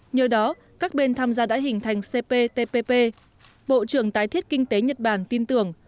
nhờ đó các bên tham gia đã hình thành cptpp bộ trưởng tái thiết kinh tế nhật bản tin tưởng